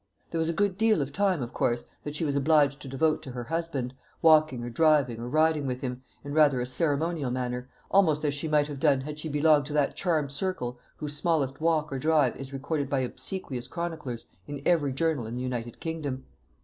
There was a good deal of time, of course, that she was obliged to devote to her husband, walking or driving or riding with him, in rather a ceremonial manner, almost as she might have done had she belonged to that charmed circle whose smallest walk or drive is recorded by obsequious chroniclers in every journal in the united kingdom.